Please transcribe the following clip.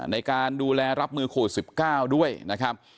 ในการดูแลรับมือโควิด๑๙ด้วยนะครับ